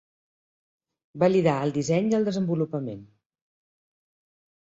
Validar el disseny i el desenvolupament.